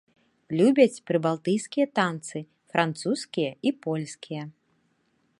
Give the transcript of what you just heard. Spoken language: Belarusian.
Любяць прыбалтыйскія танцы, французскія і польскія.